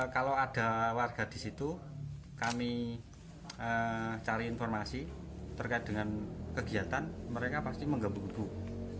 kalau ada warga di situ kami cari informasi terkait dengan kegiatan mereka pasti menggembung gebuk